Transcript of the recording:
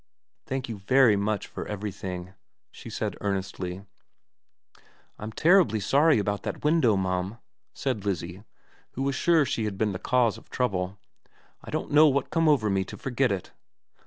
' Thank you very much for everything,' she said earnestly. ' I'm terribly sorry about that window, mum,' said Lizzie, who was sure she had been the cause of trouble. * I don't know what come over me to forget it.'